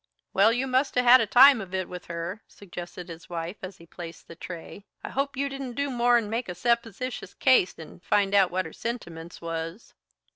"Well, you must 'a' had a time of it with her," suggested his wife as he placed the tray. "I hope you didn't do more'n make a suppositious case and find out what her sentiments was."